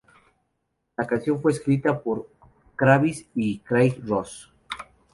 La canción fue escrita por Kravitz y Craig Ross.